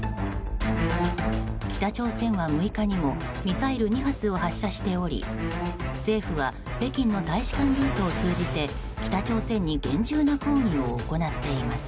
北朝鮮は６日にもミサイル２発を発射しており政府は北京の大使館ルートを通じて北朝鮮に厳重な抗議を行っています。